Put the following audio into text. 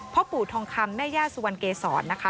พ่อปู่ทองคำแม่ย่าสุวรรณเก๋สร